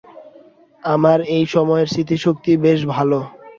আমার এই মেয়ের স্মৃতিশক্তি বেশ ভালো।